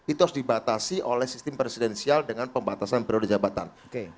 itu harus dibatasi oleh sistem presidensial dengan pembatasan periode jabatan